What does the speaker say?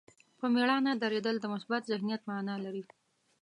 په مېړانه درېدل د مثبت ذهنیت معنا لري.